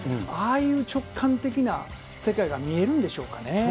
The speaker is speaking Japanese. ああいう直感的な世界が見えるんでしょうかね。